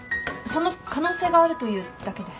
その可能性があるというだけで。